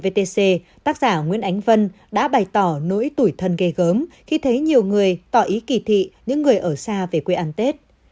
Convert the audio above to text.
vtc tác giả nguyễn ánh vân đã bày tỏ nỗi tuổi thân ghê gớm khi thấy nhiều người tỏ ý kỳ thị những người ở xa về quê ăn tết